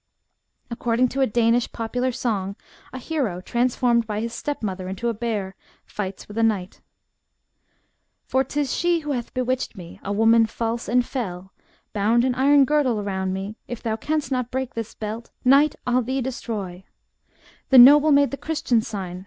According to a Danish popular song, a hero trans FOLK LORE RELATING TO WERE WOLVES. Ill formed by his step mother into a bear, fights with a knight :— For 'tis she who hath bewitched me, A woman false and fell, Bound an iron girdle round me, If thou can*st not break this belt, Knight, I'll thee destroy! *»The noble made the Christian sign.